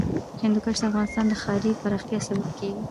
هندوکش د افغانستان د ښاري پراختیا سبب کېږي.